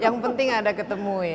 yang penting anda ketemu ya